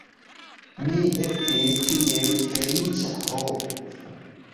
Mi estis tiel feliĉa ho!